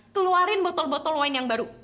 keluarin botol botol wine yang baru